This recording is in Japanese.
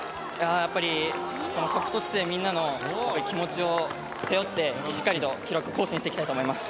やっぱりみんなの気持ちを背負って、しっかりと記録、更新していきたいと思います。